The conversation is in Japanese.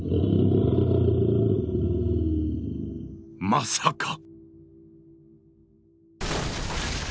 まさか。